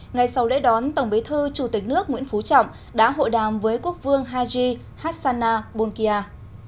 ngay sau lễ đón tổng bí thư chủ tịch nước nguyễn phú trọng đã hội đàm với quốc vương haji hassana bunkia